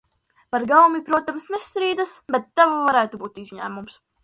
Par gaumi, protams, nestrīdas, bet tava varētu būt izņēmums.